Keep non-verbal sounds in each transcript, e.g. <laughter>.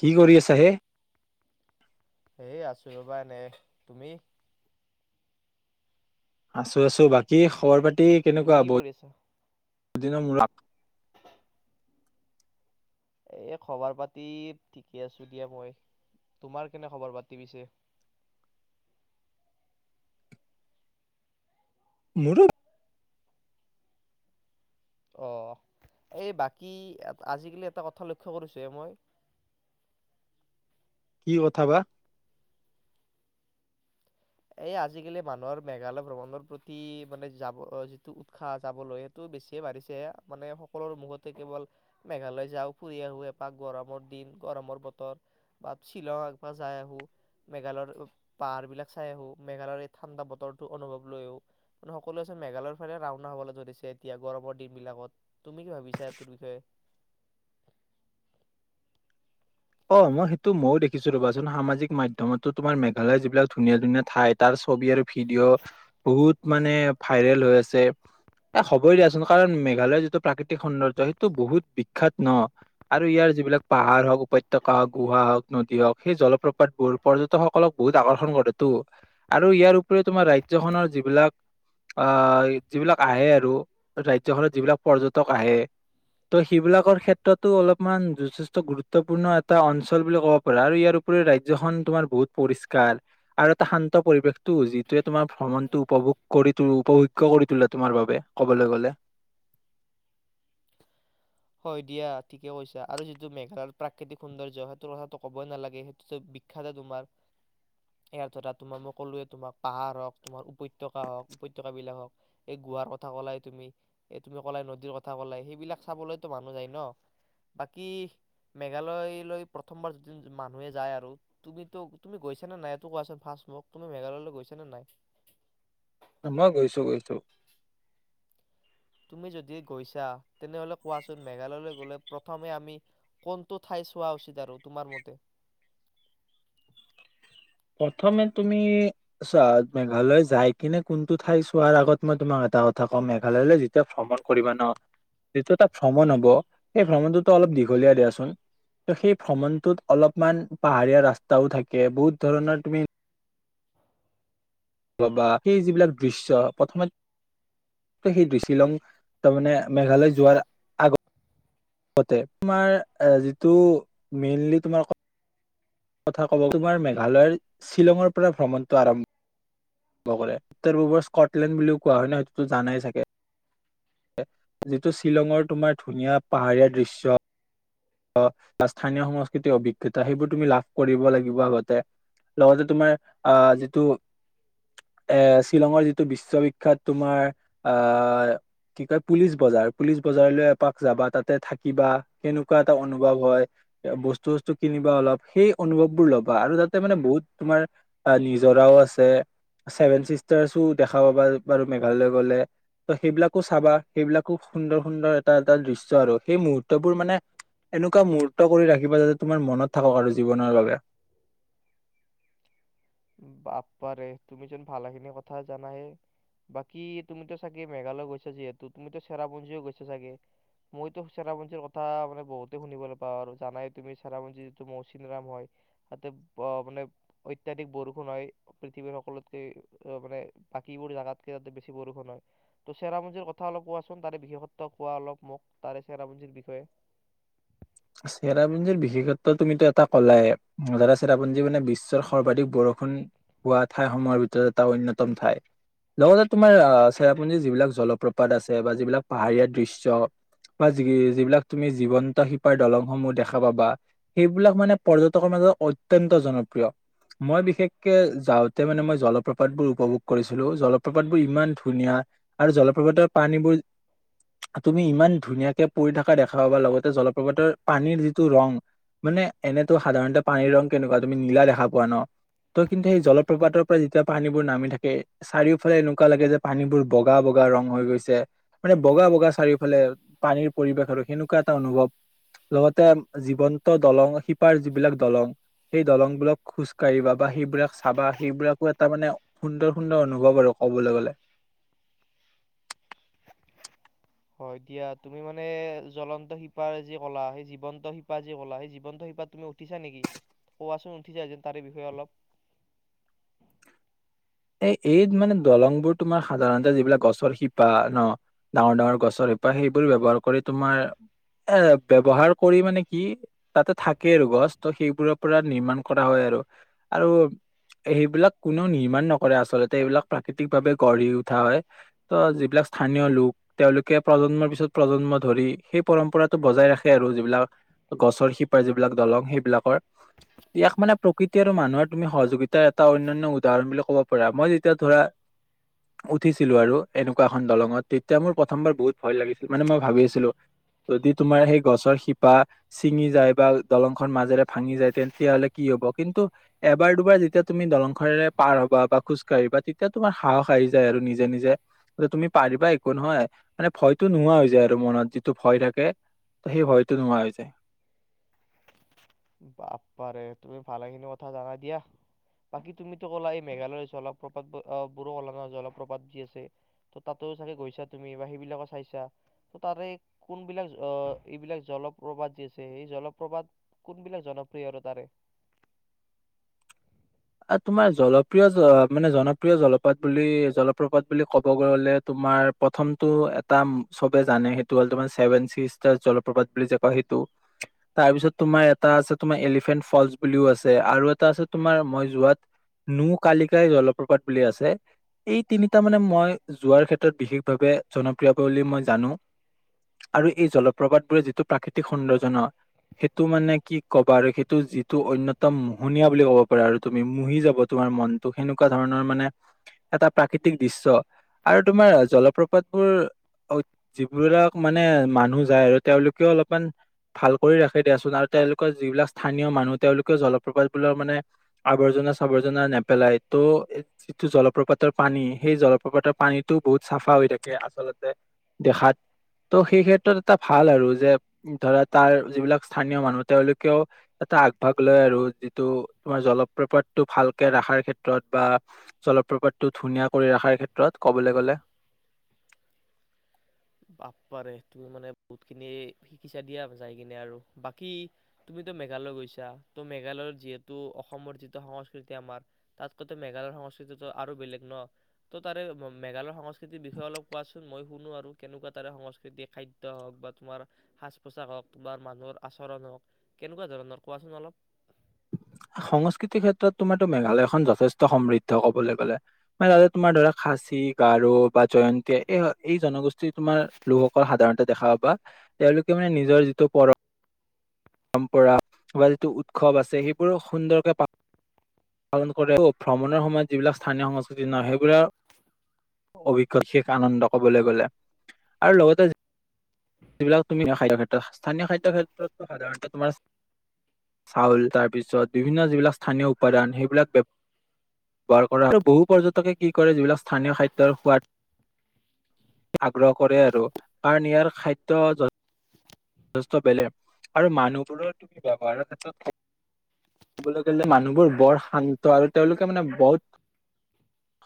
কি কৰি আছা হে? হেই আছোঁ ৰ'বা এনে, তুমি? আছো-আছো বাকী খবৰ পা টি তুমি কেনেকুৱা কি বই কৰি আছা সদিনা মু এ খবৰ পাতি ঠিকে আছো দিয়া মই। তোমাৰ কেনে খবৰ পাতি পিছে? মুোৰ অহ, এই বাকী আজিকালি এটা কথা লক্ষ্য কৰিছো এ মই। কি কথা বা? এ আজিকালি মানুহৰ মেঘালয় ভ্ৰমণৰ প্ৰতি মানে যাব যিটো উৎসাহ যাবলৈ সেইটো বেছিয়ে বাঢ়িছে মানে সকলোৰে মুখতে কেৱল মেঘালয় যাও ফুৰি আহো এপাক গৰমৰ দিন গৰমৰ বতৰ বা শ্বিলং একবাৰ যাই আহো মেঘালয়ৰ পাহাৰ বিলাক চাই আহো মেঘালয়ৰ এই ঠাণ্ডা বতৰটো অনুভৱ লৈ আহো মানে সকলোৱে চোন মেঘালয়ৰ ফালে ৰাওনা হবলৈ ধৰিছে এতিয়া গৰমৰ দিন বিলাকত তুমি কি ভাবিছা এইটোৰ বিষয়ে? অহ, মই সেইটো ময়ো দেখিছো ৰবাচোন সামাজিক মাধ্যমততো তোমাৰ মেঘালয় যিবিলাক ধুনীয়া- ধুনীয়া ঠাই তাৰ ছবি আৰু ভিডিঅ' বহুত মানে ভাইৰেল হৈ আছে, এ হবই দিয়াচোন কাৰণ মেঘালয়ৰ যিটো প্ৰাকৃতিক সৌন্দৰ্য সেইটো বহুত বিখ্যাত ন আৰু ইয়াৰ যিবিলাক পাহাৰ হওঁক উপাত্য উপত্যকা হওঁক গুহা হওঁক নদী হওঁক সেই জলপ্ৰপাত বোৰ পৰ্যটকসকলক বহুত আকৰ্ষণ কৰেতো আৰু ইয়াৰ উপৰি তোমাৰ ৰাজ্যখনৰ যিবিলাক আহ যিবিলাক আহে আৰু ৰাজ্যখনৰ যিবিলাক পৰ্যটক আহে ত' সেইবিলাকৰ ক্ষেত্ৰতো অলপমান যথেষ্ট গুৰুত্বপূৰ্ণ এ এটা অঞ্চল বুলি কব পৰা আৰু ইয়াৰ উপৰি ৰাজ্যখন তোমাৰ বহুত পৰিষ্কাৰ আৰু এটা শান্ত পৰিৱেশটো যিটোৱে তোমাৰ ভ্ৰমণটো উপভোগ কৰিটো উপভোগ্য কৰি তোলে তোমাৰ বাবে ক'বলৈ গলে। হয় দিয়া ঠিকে কৈছা আৰু যিটো মেঘালয় প্ৰাকৃতিক সৌন্দৰ্য সেইটোৰ কথাটো ক'বই নালাগে সেইটোতো বিখ্যাতে তোমাৰ ইয়াৰ ধৰা তোমাৰ মই কলোয়ে তোমাৰ পাহাৰ হক তোমাৰ উপত্যকা হক উপত্যকা বিলাক হক এই গুহাৰ কথা কলাই তুমি এই তুমি কলাই নদীৰ কথা কলাই সেইবিলাক চাবলৈ টো মানুহ যায় ন বাকী মেঘালয়লৈ প্ৰথমবাৰ যদি মানুহে যায় আৰু তুমিটো তুমি গৈছা নে নাই এইটো কোৱাচোন ফাৰ্ষ্ট মোক তুমি মেঘালয়লৈ গৈছা নে নাই? মই গৈছো -গৈছো। তুমি যদিয়ে গৈছা তেনেহ'লে কোৱাচোন মেঘালয়লৈ গলে প্ৰথমে আমি কোনটো ঠাই চোৱা উচিত আৰু তোমাৰ মতে? প্ৰথমে তুমি চোৱা মেঘালয় যাই কিনে কোনটো ঠাই চোৱাৰ আগত মই তোমাক এটা কথা কম মেঘালয়লৈ যেতিয়া ভ্ৰমণ কৰিবা ন যিটো এটা ভ্ৰমণ হ'ব সেই ভ্ৰমণটোতো অলপ দীঘলীয়া দিয়াচোন ত সেই ভ্ৰমণটোত অলপমান পাহাৰীয়া ৰাস্তাও থাকে বহুত ধৰণৰ তুমি বা সেই যিবিলাক দৃশ্য প্ৰথমে <unintelligible> শ্বিলং তাৰ মানে মেঘালয় যোৱাৰ আগ -আগতে তোমাৰ এ যিটো মেইনলি তোমাৰ কথা কব তোমাৰ মেঘালয়ৰ শ্বিলঙৰ পৰা ভ্ৰমণটো আৰম্ভ আৰম্ভ কৰে উত্তৰ পূৰ্বৰ স্কটলেণ্ড বুলিও কোৱা হয় ন সেইটোতো জানাই চাগে? যিটো শ্বিলঙৰ তোমাৰ ধুনীয়া পাহাৰীয়া দৃশ্য অহ, বা স্থানীয় সংস্কৃতিৰ অভিজ্ঞতা সেইবোৰ তুমি লাভ কৰিব লাগিব আগতে লগতে তোমাৰ আহ যিটো এ শ্বিলঙৰ যিটো বিশ্ববিখ্যাত তোমাৰ আহ কি কয় পুলিচ বজাৰ পুলিচ বজাৰলৈ এপাক যাবা তাতে থাকিবা কেনু এনেকুৱা এটা অনুভৱ হয় বস্তু চস্তু কিনিবা অলপ সেই অনুভৱ বোৰ লবা আৰু তাতে মানে বহুত তোমাৰ নিজৰাও আছে ছেভেন চিষ্টাৰছো দেখা পাবা বাৰু মেঘালয় গলে ত' সেইবিলাকো চাবা সেইবিলাকো সুন্দৰ- সুন্দৰ এটা -এটা দৃশ্য আৰু সেই মুহুৰ্তবোৰ মানে এনেকুৱা মুহুৰ্ত কৰি ৰাখিবা যাতে তোমাৰ মনত থাকক আৰু জীৱনৰ বাবে। বাপ্পাৰে তুমি চোন ভালেখিনি কথা জানা এ বাকী তুমিতো চাগে মেঘালয় গৈছা যিহেতু তুমিতো চেৰাপুঞ্জীও গৈছা চাগে মইতো চেৰাপুঞ্জীৰ কথা মানে বহুতে শুনিবলৈ পাওঁ আৰু জানাই তুমি চেৰাপুঞ্জী যিটো মৌচিনৰাম হয় তাতে মানে অত্যাধিক বৰষ বৰষুণ হয় পৃথিৱীৰ সকলোতকে মানে বাকীবোৰ জেগাতকে তাতে বেছি বৰষুণ হয় ত' চেৰাপুঞ্জীৰ কথা অলপ কোৱাচোন তাৰে বিশেষত্ব কোৱা অলপ মোক তাৰে চেৰাপুঞ্জিৰ বিষয়ে। চেৰাপুঞ্জীৰ বিশেষত্ব তুমিতো এটা কলায়ে যাতে চেৰাপুঞ্জী মানে বিশ্বৰ সৰ্বাধিক বৰষুণ হোৱা ঠাইসমূহৰ ভিতৰত এটা অন্যতম ঠাই লগতে তোমাৰ আহ চেৰাপুঞ্জীৰ যিবিলাক জলপ্ৰপাত আছে বা যিবিলাক পাহাৰীয়া দৃশ্য বা যি -যিবিলাক তুমি জীৱন্ত পাৰ দলংসমূহ দেখা পাবা সেইবিলাক মানে পৰ্যটকৰ মাজত অত্যন্ত জনপ্ৰিয় মই বিশেষকে যাওঁতে মানে মই জলপ্ৰপাত বোৰ উপভোগ কৰিছিলো জলপ্ৰপাত বোৰ ইমান ধুনীয়া আৰু জলপ্ৰপাতৰ পানীবোৰ তুমি ইমান ধুনীয়াকে পৰি থকা দেখা পাবা লগতে জল প্ৰপাতৰ পানীৰ যিটো ৰং মানে এনেতো সাধাৰণতে পানীৰ ৰং কেনেকুৱা তুমি নীলা দেখা পোৱা ন ত' কিন্তু সেই জলপ্ৰপাতৰ পৰা যেতিয়া পানীবোৰ নামি থাকে চাৰিওফালে এনেকুৱা লাগে যে পানীবোৰ বগা -বগা ৰং হৈ গৈছে মানে বগা- বগা চাৰিওফালে পানীৰ পৰিৱেশ আৰু সেনেকুৱা এটা অনুভৱ। লগতে জীৱন্ত দলং শিপাৰ যিবিলাক দলং সেই দলংবোৰত খোজ কাঢ়িবা বা সেইবিলাক চাবা সেইবিলাকো এটা মানে সুন্দৰ -সুন্দৰ অনুভৱ আৰু ক'বলৈ গলে। হয় দিয়া তুমি মানে জ্বলন্ত শিপাৰ যি কলা সেই জীৱন্ত শিপা যি কলা সেই জীৱন্ত শিপাত তুমিও উঠিছা নেকি কোৱাচোন উঠিছা যদি তাৰে বিষয়ে অলপ। এ, এই মানে দলংবোৰ তোমাৰ সাধাৰণতে যিবিলাক গছৰ শিপা ন ডাঙৰ -ডাঙৰ গছৰ শিপা সেইবোৰ ব্যৱহাৰ কৰি তোমাৰ এ ব্যৱহাৰ কৰি মানে কি তাতে থাকে আৰু গছ ত'সেইবোৰৰ পৰা নিৰ্মাণ কৰা হয় আৰু- আৰু সেইবিলাক কোনেও নিৰ্মাণ নক কৰে আচলতে এইবিলাক প্ৰাকৃতিক ভাৱে গঢ়ি উঠা হয় ত' যিবিলাক স্থানীয় লোক তেওঁলোকে প্ৰজন্মৰ পিছত প্ৰজন্ম ধৰি সেই পৰম্পৰাটো বজাই ৰাখে আৰু যিবিলাক গছৰ শিপাৰ যিবিলাক দলং সেইবিলাকৰ ইয়াক মানে প্ৰকৃতি আৰু মানুহৰ তুমি সহযোগিতাৰ এটা অন্যান্য উদাহৰণ বুলি কব পা পৰা, মই যেতিয়া ধৰা উঠিছিলো আৰু এনেকুৱা এখন দলঙত তেতিয়া মোৰ প্ৰথমবাৰ বহুত ভয় লাগিছিল মানে মই ভাবি আছিলো যদি তোমাৰ সেই গছৰ শিপা চিঙি যায় বা দলং খন মাজেৰে ভাঙি যায় তেতিয়া হ'লে কি হ'ব কিন্তু এবাৰ দুবাৰ যেতিয়া তুমি দলংখনেৰে পাৰ হবা বা খোজ কাঢ়িবা তেতিয়া তোমাৰ সাহস আহি যায় আৰু নিজে -নিজে তুমি পাৰিবা একো নহয় মানে ভয়তো নোহোৱা হৈ যায় আৰু মনত যিটো ভয় থাকে ত'সেই ভয়টো নোহোৱা হৈ যায়। বাপ্পাৰে তুমি ভালেখিনি কথা জানা দিয়া বাকী তুমিতো কলা এই মেঘালয় জলপ্ৰপাত বোৰো অলাঙৰ জলপ্ৰপাত যি আছে ত' তাতো চাগে গৈছা তুমি বা সেইবিলাকো চাইছা ত'তাৰে কোনবিলাক অহ এইবিলাক জলপ্ৰপাত যি আছে সেই জলপ্ৰপাত কোনবিলাক জনপ্ৰিয় আৰু তাৰে। তোমাৰ জনপ্ৰিয় মানে জনপ্ৰিয় জলপাত বুলি জলপ্ৰপাত বুলি কব গলে তোমাৰ প্ৰথমতটো এটা চবে জানে সেইটো হ'ল তোমাৰ ছেভেন চিষ্টাৰ জলপ্ৰপাত বুলি যে কয় সেইটো তাৰপিছত তোমাৰ এটা আছে তোমাৰ এলিফেন্ট ফলচ বুলিও আছে আৰু এটা আছে তোমাৰ মই যো যোৱাত নো কালিকাই জলপ্ৰপাত বুলি আছে এই তিনিটা মানে মই যোৱাৰ ক্ষেত্ৰত বিশেষভাৱে জনপ্ৰিয় বুলি মই জানো আৰু এই জলপ্ৰপাত বোৰে যিটো প্ৰাকৃতিক সৌন্দৰ্য ন সেইটো মানে কি কবা আৰু সেইটো যিটো অন্যতম মোহনীয়া বুলি কব পাৰা আৰু। তুমি মুহি যাব তোমাৰ মনটোক সেনেকুৱা ধৰণৰ মানে এটা প্ৰাকৃতিক দৃশ্য আৰু তোমাৰ জলপ্ৰপাতবোৰ অত যিবিলাক মানে মানুহ যায় আৰু তেওঁলোকেও অলপমান ভাল কৰি ৰাখে দিয়াচোন আৰু তেওঁলোকৰ যিবিলাক স্থানীয় মানুহ তেওঁলোকেও জলপ্ৰপাতবোৰৰ মানে আৱৰ্জনা চাবৰ্জনা নেপেলাই ত' যিটো জলপ্ৰপাতৰ পানী সেই জলপ্ৰপাতৰ পানীটো বহুত চাফা হৈ থাকে আচলতে দেখাত তো সেই ক্ষেত্ৰত এটা ভাল আৰু যে ধৰা তাৰ যিবিলাক স্থানীয় মানুহ তেওঁলোকেও এটা আগভাগ লয় আৰু যিটো তোমাৰ জল প্ৰপাতটো ভালকে ৰাখাৰ ক্ষেত্ৰত বা জলপ্ৰপাতটো ধুনীয়া কৰি ৰাখাৰ ক্ষেত্ৰত ক'বলৈ গলে। বাপ্পাৰে তুমি মানে বহুত খিনি শিকিছা দিয়া যাই কিনে আৰু বাকী তুমিতো মেঘালয় গৈছা ত মেঘালয়ত যিহেতু অসমৰ যিটো সংস্কৃতি আমাৰ তাতকৈতো মেঘালয়ৰ সংস্কৃতিটো আৰু বেলেগ ন ত তাৰে মেঘালয়ৰ সংস্কৃ কৃতিৰ বিষয়ে অলপ কোৱাচোন মই শুনো আৰু। কেনেকুৱা তাৰে সংস্কৃতিক খাদ্য হক বা তোমাৰ সাজ পোছাক হক বা মানুহৰ আচৰণ হক কেনেকুৱা ধৰণৰ কোৱাচোন অলপ। সংস্কৃতিৰ ক্ষেত্ৰত তোমাৰটো মেঘালয়খন যথেষ্ট সমৃদ্ধ কবলৈ গলে মানে তাতে তোমাৰ ধৰা খাচী, গাৰো বা জয়ন্তী এই -এই জনগোষ্ঠী তোমাৰ লোকসকল সাধাৰণতে দেখা পাবা তেওঁলোকে মানে নিজৰ যিটো পৰম পৰম্পৰা বা যিটো উৎসৱ আছে সেইবোৰ সুন্দৰকে <inaudible> পালন কৰে ভ্ৰমণৰ সময়ত যিবিলাক স্থানীয় সংস্কৃতি নহয় সেইবিলাক <inaudible> অভিজ্ঞ শেষ আনন্দ কবলৈ গলে আৰু লগতে যিবিলাক <unintelligible> স্থানীয় খাদ্যৰ ক্ষেত্ৰত সাধাৰণতে তোমাৰ <inaudible> চাউল তাৰপিছত বিভিন্ন যিবিলাক স্থানীয় উপাদান সেইবিলাক <inaudible> ব্যৱহাৰ কৰা আৰু বহু পৰ্যটকে কি কৰে যিবিলাক স্থানীয় খাদ্যৰ সোৱাদ আগ্ৰহ কৰে আৰু কাৰণ ইয়াৰ খাদ <unintelligible> যথেষ্ট বেলেগ আৰু মানুহবোৰৰ তুমি ব্যৱহাৰৰ ক্ষেত্ৰত কবলৈ গলে মানুহবোৰ বৰ শান্ত আৰু তেওঁলোকে মানে বহুত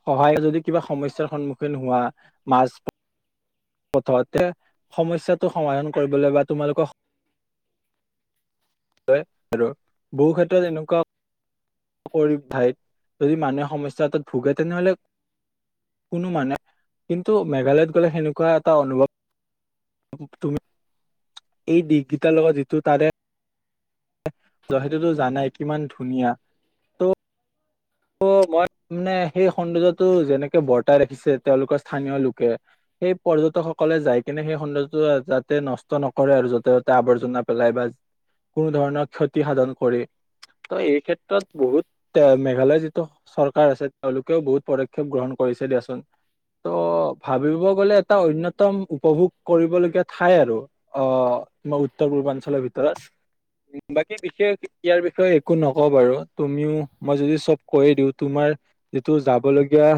সহায় যদি কিবা সমস্যাৰ সন্মুখীন হোৱা মাছ বা প্ৰথমতে সমস্যাটো সমাধান কৰিবলৈ বা তোমালোকক আৰু বহু ক্ষেত্ৰত এনেকুৱা কৰি ঠাইত যদি মানুহে সমস্যাটোত ভোগে তেনেহলে কোনো মানে কিন্তু মেঘালয়ত গলে সেনেকুৱা এটা অনুভৱ তুমি এই দিশকেইটাৰ লগত যিটো তাৰে যহেতু জানাই কিমান ধুনীয়া ত ত মই মানে সেই সৌন্দৰ্যটো যেনেকে বৰ্তাই ৰাখিছে তেওঁলোকৰ স্থানীয় লোকে সেই পৰ্যটক সকলে যাই কিনে সেই সৌন্দৰ্যটো যাতে নষ্ট নকৰে আৰু য'তে ত'তে আৱৰ্জনা পেলাই বা কোনো ধৰণৰ ক্ষতি সাধন কৰি ত এই ক্ষেত্ৰত বহুত মেঘালয় চৰকাৰ আছে তেওঁলোকেও বহুত পদক্ষেপ গ্ৰহণ কৰিছে দিয়াচোন। ত' ভাবিব গলে এটা অয়তম উপভোগ কৰিবলগীয়া ঠাই আৰু আহ তমাৰ উত্তৰ পূৰ্বাঞ্চলৰ ভিতৰত উ বাকী বিশেষ ইয়াৰ বিষয়ে একো নকওঁ বাৰু তুমিও মই যদি চব কৈ দিও তোমাৰ যিটো যাব লগীয়া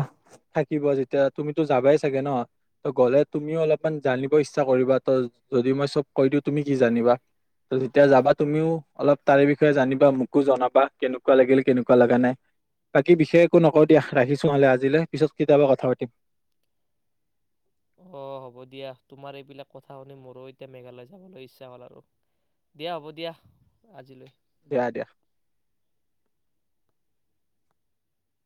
থাকিব যেতিয়া তুমিতো যাবাই চাগে ন ত গ'লে তুমিও অলপমান জানিব ইচ্ছা কৰিবা ত যদি মই চব কৈ দিওঁ তুমি কি জানিবা ত যেতিয়া যাবা তুমিও অলপ তাৰে বিষয়ে জানিবা মোকো জনাবা কেনেকুৱা লাগিল কেনেকুৱা লগা নাই। বাকী বিশেষ একো নকওঁ দিয়া ৰাখিছো হালে আজিলৈ পিছত কেতিয়াবা কথা পাতিম। অঁ হ'ব দিয়া তোমাৰ এইবিলাক কথা শুনি মোৰো এতিয়া মেঘালয় যাবলৈ ইচ্ছা হ'ল আৰু দিয়া হ'ব দিয়া আজিলৈ। দিয়া দিয়া